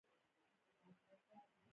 تږي، تږي د خپل کلي خپل وطن یم